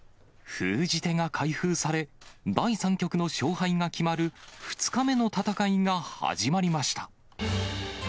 封じ手が開封され、第３局の勝敗が決まる２日目の戦いが始まりました。